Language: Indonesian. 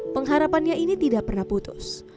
pengharapannya ini tidak pernah putus